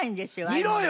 見ろよ！